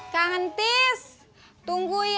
kangen tis tunggu ya